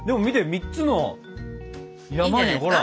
３つの山にほら！